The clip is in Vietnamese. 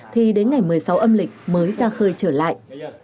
thì đến ngày một mươi sáu âm lịch mới ra khơi trở lại